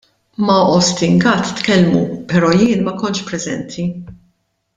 Ma' Austin Gatt tkellmu, però jien ma kontx preżenti.